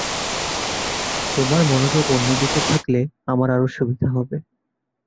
তোমার মনোযোগ অন্যদিকে থাকলে আমার আরো সুবিধা হবে।